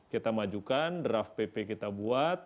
kita majukan draft pp kita buat